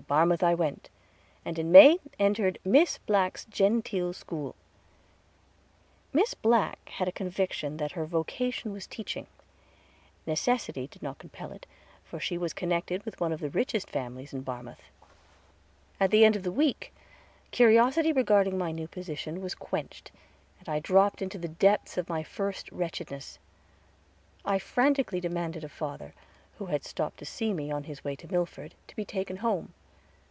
To Barmouth I went, and in May entered Miss Black's genteel school. Miss Black had a conviction that her vocation was teaching. Necessity did not compel it, for she was connected with one of the richest families in Barmouth. At the end of the week my curiosity regarding my new position was quenched, and I dropped into the depths of my first wretchedness. I frantically demanded of father, who had stopped to see me on his way to Milford, to be taken home.